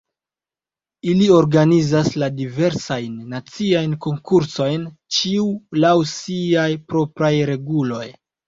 Ili organizas la diversajn naciajn konkursojn, ĉiu laŭ siaj propraj reguloj.